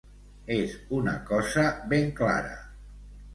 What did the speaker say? És una cosa ben clara.